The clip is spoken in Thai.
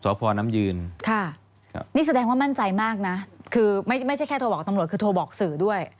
พ่อน้ำยืนค่ะนี่แสดงว่ามั่นใจมากนะคือไม่ใช่แค่โทรบอกตำรวจคือโทรบอกสื่อด้วย